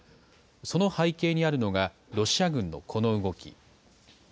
その背景にあるのが、ロシア軍のこの動き。